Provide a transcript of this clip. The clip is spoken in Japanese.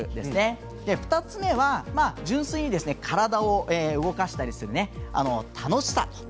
２つ目は純粋に体を動かしたりする楽しさ。